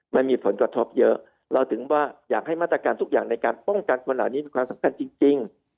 มันมีผลกระทบเยอะเราถึงว่าอยากให้มาตรการทุกอย่างในการป้องกันคนเหล่านี้มีความสำคัญจริง